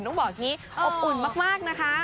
ต้องบอกอย่างนี้อบอุ่นมากนะคะ